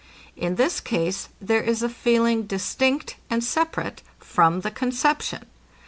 In this case there is a feeling distinct and separate from the conception.